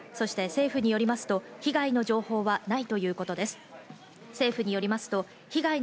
政府によりますと被害の情報はないということです。